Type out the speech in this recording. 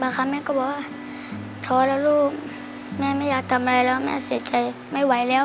แม่ก็บอกว่าท้อแล้วลูกแม่ไม่อยากทำอะไรแล้วแม่เสียใจไม่ไหวแล้ว